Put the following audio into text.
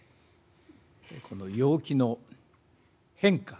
この陽気の変化